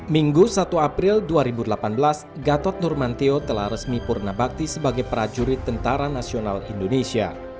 minggu satu april dua ribu delapan belas gatot nurmantio telah resmi purna bakti sebagai prajurit tentara nasional indonesia